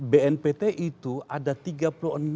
bnpt itu ada tiga puluh enam